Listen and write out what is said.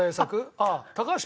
ああ。